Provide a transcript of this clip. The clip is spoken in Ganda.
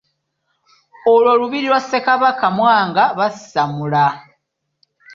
Olwo lubiri lwa Ssekabaka Mwanga Basammula.